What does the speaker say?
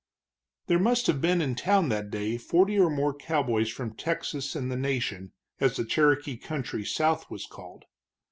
There must have been in town that day forty or more cowboys from Texas and the Nation, as the Cherokee country south was called.